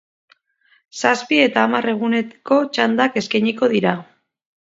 Zazpi eta hamar eguneko txandak eskainiko dira.